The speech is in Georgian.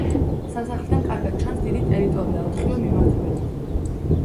სასახლიდან კარგად ჩანს დიდი ტერიტორია ოთხივე მიმართულებით.